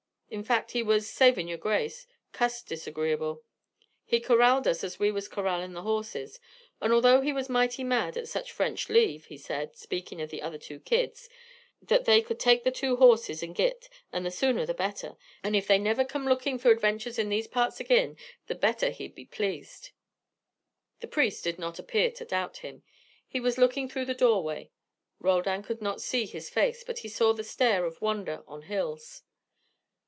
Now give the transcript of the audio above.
In fact he was savin' your grace cussed disagreeable. He corralled us as we was corrallen the horses; and although he was mighty mad at such French leave, he said, speakin' of the other two kids, that they could take the two horses and git, and the sooner the better, and if they never come lookin' for adventures in these parts agin the better he'd be pleased." The priest did not appear to doubt him. He was looking through the doorway. Roldan could not see his face, but he saw the stare of wonder on Hill's.